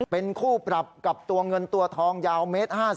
เป็นคู่ปรับกับตัวเงินตัวทองยาวเมตร๕๐